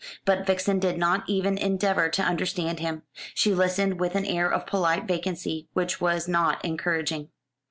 But Vixen did not even endeavour to understand him. She listened with an air of polite vacancy which was not encouraging.